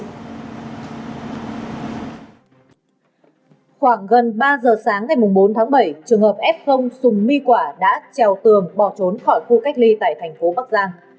khoảng gần ba giờ sáng ngày bốn tháng bảy trường hợp fùng my quả đã trèo tường bỏ trốn khỏi khu cách ly tại thành phố bắc giang